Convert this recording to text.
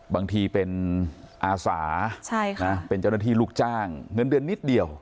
บางทีเป็นอาสาเป็นเจ้าหน้าที่ลูกจ้างเงินเดือนนิดเดียว